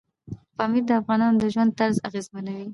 پامیر د افغانانو د ژوند طرز اغېزمنوي.